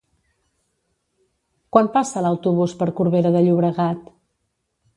Quan passa l'autobús per Corbera de Llobregat?